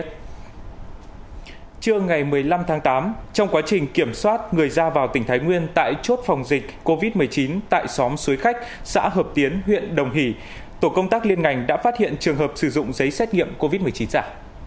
trong quá trình kiểm soát người ra vào tỉnh thái nguyên tại chốt phòng dịch covid một mươi chín tại xóm xuế khách xã hợp tiến huyện đồng hỷ tổ công tác liên ngành đã phát hiện trường hợp sử dụng giấy xét nghiệm covid một mươi chín giả